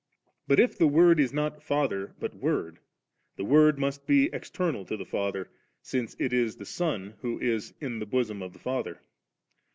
But if the Word is not Father but Word, the Word must be external to the Father, since it is the Son who is Mn the bosom of the Father.'